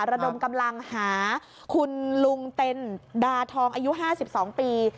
ระดมกำลังหาคุณลุงเต็นดาทองอายุ๕๒ปี